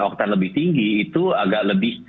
oktan lebih tinggi itu agak lebih